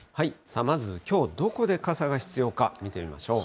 まず、きょうどこで傘が必要か、見てみましょう。